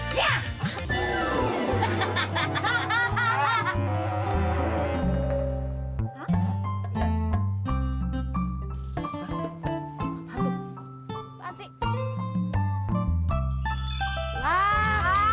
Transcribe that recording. lu kan bisa itu dah